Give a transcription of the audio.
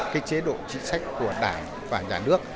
cái chế độ chính sách của đảng và nhà nước